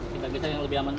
kita bisa yang lebih aman